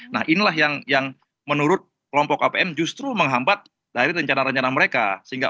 nah inilah yang menurut kelompok apm justru menghambat dari rencana rencana mereka